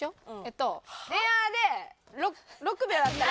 エアで６秒だったら。